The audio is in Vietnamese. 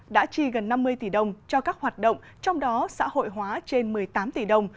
đã chi gần năm mươi tỷ đồng cho các hoạt động trong đó xã hội hóa trên một mươi tám tỷ đồng